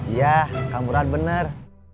iya kamu bener